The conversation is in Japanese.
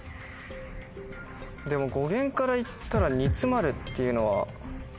でも語源からいったら煮詰まるっていうのは。